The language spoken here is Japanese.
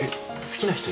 好きな人。